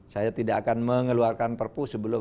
saya tidak akan mengeluarkan perpu sebelum